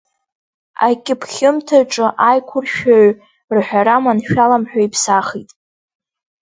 Акьыԥхьымҭаҿы аиқәыршәаҩ рҳәара маншәалам ҳәа иԥсахит…